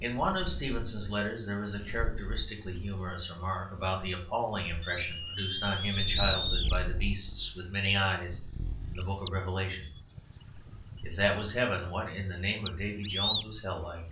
In one of Stevenson's letters there is a characteristically humorous remark about the appalling impression produced on him in childhood by the beasts with many eyes in the Book of Revelations: "If that was heaven, what in the name of Davy Jones was hell like?"